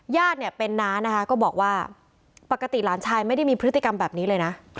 ญาติเนี่ยเป็นน้านะคะก็บอกว่าปกติหลานชายไม่ได้มีพฤติกรรมแบบนี้เลยนะ